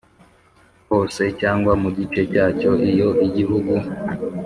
Hose cyangwa mu gice cyacyo, iyo Igihugu